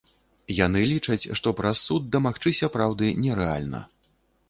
Яны лічаць, што праз суд дамагчыся праўды нерэальна.